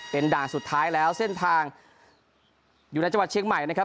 เป็นด่านสุดท้ายแล้วเส้นทางอยู่ในจังหวัดเชียงใหม่นะครับ